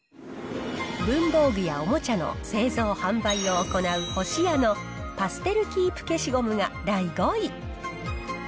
文房具やおもちゃの製造・販売を行うホシヤのパステルキープ消しゴムが第５位。